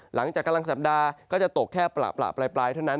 หลังจากกลางสัปดาห์ก็จะตกแค่ประปลายเท่านั้น